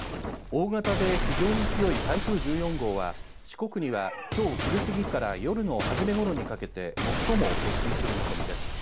大型で非常に強い台風１４号は、四国にはきょう昼過ぎから夜の初めごろにかけて最も接近する見込みです。